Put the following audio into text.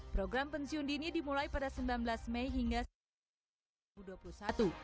program pensiun dini dimulai pada sembilan belas mei hingga dua puluh satu